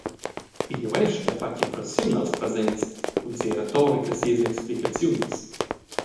Igl uestg ha fatg impressiun als presents cun sia retorica e sias explicaziuns.